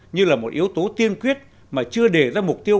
như là một yếu tố tiên quyết mà chưa đề ra mục tiêu